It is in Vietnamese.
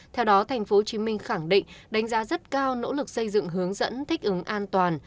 theo đó tp hcm khẳng định đánh giá rất cao nỗ lực xây dựng hướng dẫn thích ứng an toàn